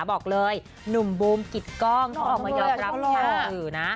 บอกเลยหนุ่มบูมกิดกล้องออกมายอมรับเธอ